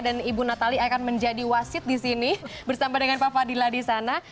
dan ibu natali akan menjadi wasit disini bersama dengan pak fadilah disana